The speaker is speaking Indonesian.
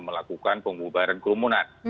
melakukan pengubaharan kerumunan